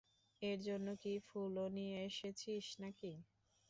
ওর জন্য কি ফুলও নিয়ে এসেছিস নাকি?